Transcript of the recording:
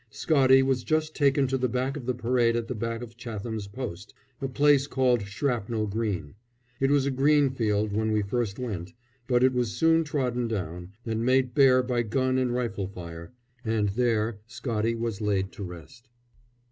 Scottie was just taken to the back of the parade at the back of Chatham's Post, a place called Shrapnel Green. It was a green field when we first went, but it was soon trodden down and made bare by gun and rifle fire. And there Scottie was laid to rest.